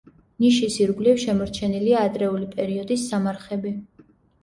ნიშის ირგვლივ შემორჩენილია ადრეული პერიოდის სამარხები.